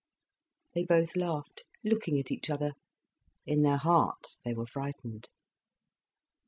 They both laughed, looking at each other. In their hearts they were frightened.